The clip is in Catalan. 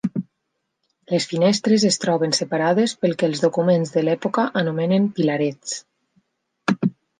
Les finestres es troben separades pel que els documents de l'època anomenen pilarets.